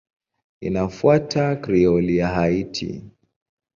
Inafuata Krioli ya Haiti.